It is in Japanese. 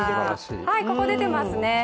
ここ、出てますね。